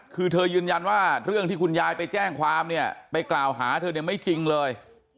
คือเธอยืนยันว่าเรื่องที่คุณยายไปแจ้งความเนี่ยไปกล่าวหาเธอเนี่ยไม่จริงเลย